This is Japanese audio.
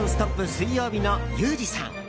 水曜日のユージさん。